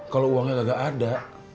kalo uangnya kagak ada